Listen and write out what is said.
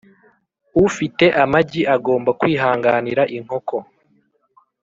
ufite amagi agomba kwihanganira inkoko.